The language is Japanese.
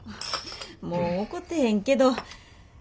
もう怒ってへんけどただ。